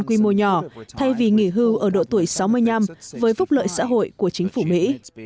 quy mô nhỏ thay vì nghỉ hưu ở độ tuổi sáu mươi năm với phúc lợi xã hội của chính phủ mỹ